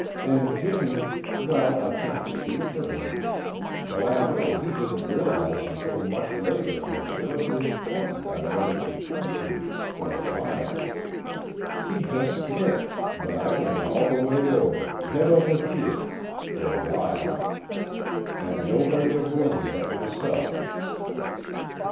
And Jimmy well, I can't speak for him, but I know he didn't realize until much later how terribly important I'd let it become to me, for a while. He just slipped, but I went all the way over, head over heels, for a while, and nobody to blame but myself."